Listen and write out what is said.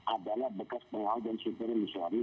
adalah bekas pengalaman super niswani